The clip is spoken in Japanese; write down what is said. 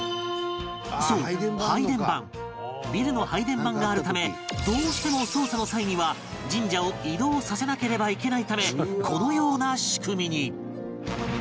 そう配電盤ビルの配電盤があるためどうしても操作の際には神社を移動させなければいけないためこのような仕組みに